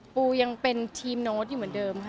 ปูยังเป็นทีมโน้ตอยู่เหมือนเดิมค่ะ